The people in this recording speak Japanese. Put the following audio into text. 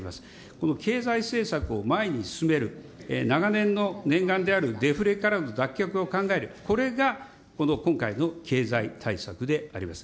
この経済政策を前に進める、長年の念願であるデフレからの脱却を考える、これがこの今回の経済対策であります。